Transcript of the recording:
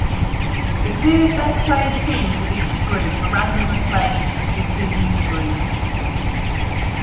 The two best-placed teams of each group were randomly placed into two new groups.